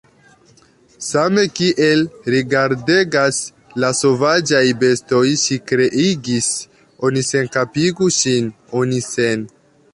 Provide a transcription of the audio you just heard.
same kiel rigardegas la sovaĝaj bestoj, ŝi kriegis: "Oni senkapigu ŝin, oni sen…"